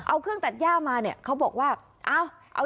เอาเครื่องตัดย่ามาเนี่ยเขาบอกว่า